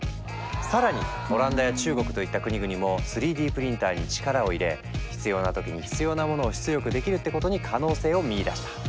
更にオランダや中国といった国々も３Ｄプリンターに力を入れ「必要な時に必要なモノを出力できる」ってことに可能性を見いだした。